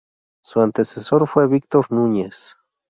Su antecesor fue Víctor Núñez.